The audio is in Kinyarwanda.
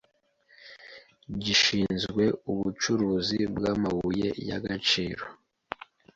gishinzwe Ubucukuzi bw’Amabuye y’Agaciro